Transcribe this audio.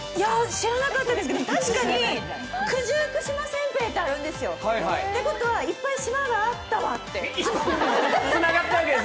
知らなかったですけど確かに九十九島煎餅ってあるんですよ。ということは、いっぱい島があったわって。